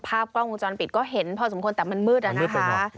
ภาพกล้องวงจรปิดก็เห็นพอสมควรแต่มันมืดอะนะคะ